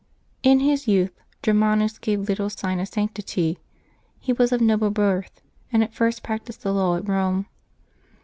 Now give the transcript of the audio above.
IX his youth Germanus gave little sign of sanctity. He was of noble birth, and at first practised the law at Rome.